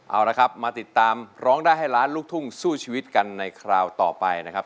เอาละครับมาติดตามร้องได้ให้ล้านลูกทุ่งสู้ชีวิตกันในคราวต่อไปนะครับ